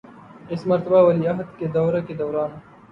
اس مرتبہ ولی عہد کے دورہ کے دوران